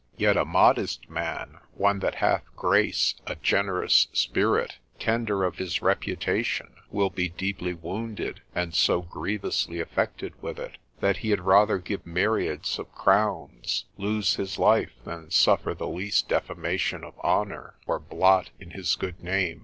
Yet a modest man, one that hath grace, a generous spirit, tender of his reputation, will be deeply wounded, and so grievously affected with it, that he had rather give myriads of crowns, lose his life, than suffer the least defamation of honour, or blot in his good name.